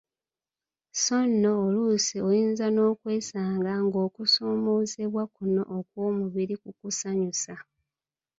So nno oluusi oyinza n'okwesanga ng'okusoomoozebwa kuno okw'omubiri kukusanyusa.